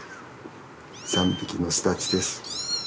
３匹の巣立ちです。